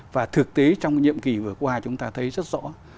và thực tế trong nhiệm kỳ vừa qua chúng ta thấy rất rõ